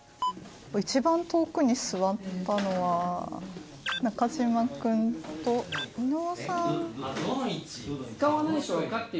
一番遠くに座ったのは、中島君と伊野尾さん。